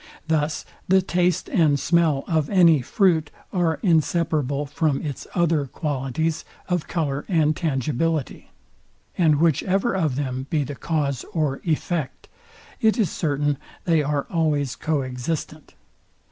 Thus the taste and smell of any fruit are inseparable from its other qualities of colour and tangibility; and whichever of them be the cause or effect, it is certain they are always co existent.